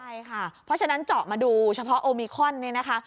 ใช่ค่ะเพราะฉะนั้นเจาะมาดูเฉพาะโอมิคอนเนี่ยนะคะ